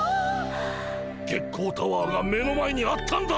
月光タワーが目の前にあったんだ！